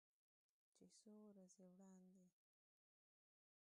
چې څو ورځې وړاندې